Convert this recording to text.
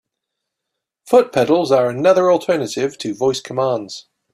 Foot pedals are another alternative to voice commands.